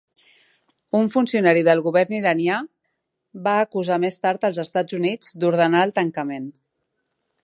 Un funcionari del govern iranià va acusar més tard als Estats Units d'ordenar el tancament.